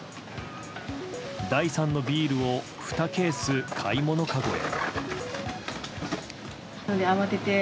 第三のビールを２ケース、買い物かごへ。